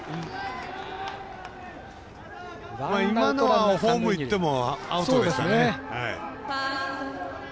今のはホームいってもアウトでしたね。